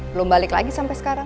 belum balik lagi sampai sekarang